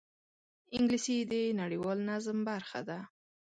انګلیسي د نړیوال نظم برخه ده